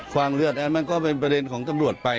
ความเลือดอันมันก็เป็นประเด็นของตำรวจไป